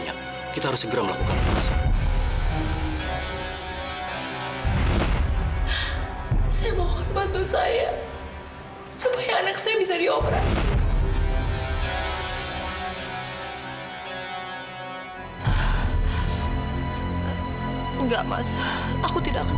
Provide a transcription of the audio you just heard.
amira ya sudah